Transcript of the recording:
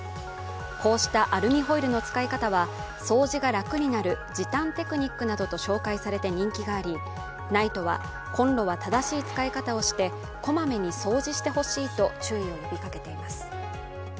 こうしたアルミホイルの使い方は掃除が楽になる時短テクニックなどと紹介され人気があり、ＮＩＴＥはコンロは正しい使い方をしてこまめに掃除してほしいと注意を呼びかけています。